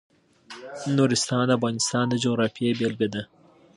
نورستان د افغانستان د جغرافیې بېلګه ده.